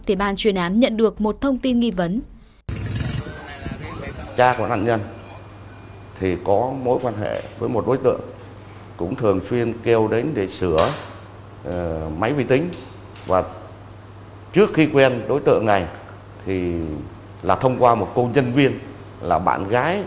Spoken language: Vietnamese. thì ban chuyên án nhận được một thông tin nghi vấn